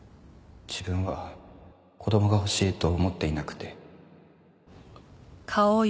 自分は子供が欲しいと思っていなくて。